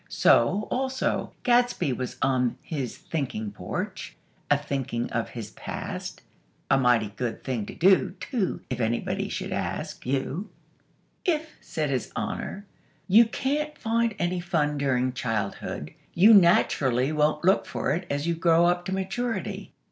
So, also, Gadsby was on his thinking porch, a thinking of his past. (A mighty good thing to do, too; if anybody should ask you!) "If," said His Honor, "you can't find any fun during childhood, you naturally won't look for it as you grow up to maturity.